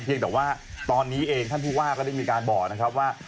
ยังแต่ว่าตอนนี้เองท่านผู้ว่าก็ได้มีการบอกนะครับว่า